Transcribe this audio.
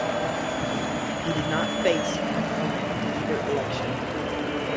He did not face an opponent in either election.